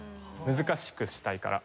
難しくしたいから。